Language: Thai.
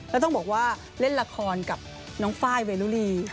แล้วต้องบอกว่าเล่นละครกับน้องไฟล์เวรุลี